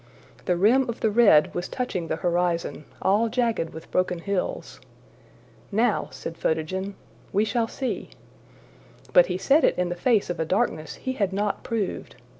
The rim of the red was touching the horizon, all jagged with broken hills. ``Now,'' said Photogen, ``we shall see''; but he said it in the face of a darkness he had not proved.